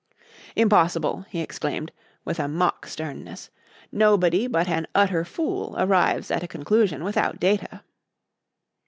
"Impossible!" he exclaimed, with mock sternness. "Nobody but an utter fool arrives at a conclusion without data."